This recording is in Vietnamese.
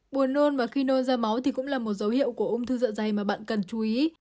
buồn nôn và khi nôn ra máu thì cũng là một dấu hiệu của ung thư dạ dày mà bạn cần chú ý